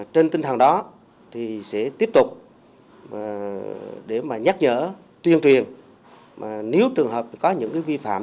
trên tinh thần đó thì sẽ tiếp tục để mà nhắc nhở tuyên truyền nếu trường hợp có những vi phạm